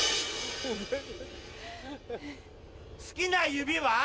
好きな指は？